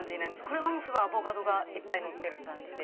これはアボカドがいっぱいのってる感じで。